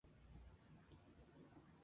En la fig.